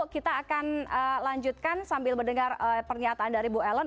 kita akan lanjutkan sambil mendengar pernyataan dari bu ellen